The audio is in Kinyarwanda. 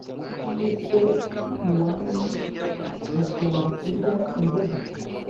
ese iwanyu mukunda kurya imboga?